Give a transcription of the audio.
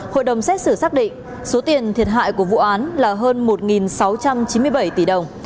hội đồng xét xử xác định số tiền thiệt hại của vụ án là hơn một sáu trăm chín mươi bảy tỷ đồng